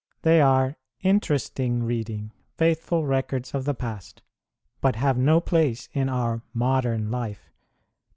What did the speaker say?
They are interesting reading, faithful records of the past, but have no place in our modern life.